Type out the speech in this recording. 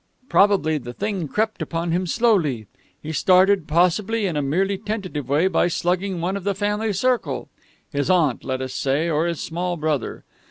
Probably the thing crept upon him slowly. He started, possibly, in a merely tentative way by slugging one of the family circle. His aunt, let us say, or his small brother.